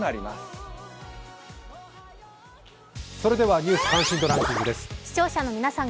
「ニュース関心度ランキング」です。